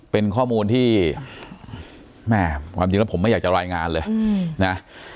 เป็นข้อมูลที่แม่ความจริงแล้วผมไม่อยากจะรายงานเลยนะ